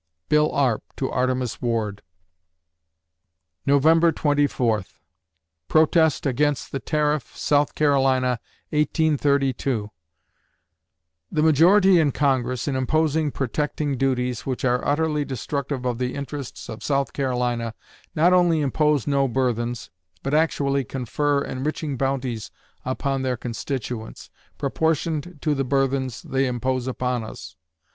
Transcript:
BILL ARP (To Artemus Ward) November Twenty Fourth PROTEST AGAINST THE TARIFF, SOUTH CAROLINA, 1832 The majority in Congress, in imposing protecting duties, which are utterly destructive of the interests of South Carolina, not only impose no burthens, but actually confer enriching bounties upon their constituents, proportioned to the burthens they impose upon us.